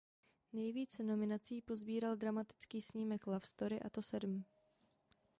Nejvíce nominací posbíral dramatický snímek "Love Story" a to sedm.